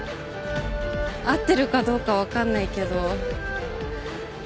合ってるかどうかは分かんないけど。